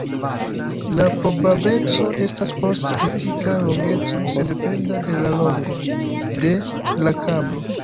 La probableco estas post kritika longeco sendependa de la longo de la kablo.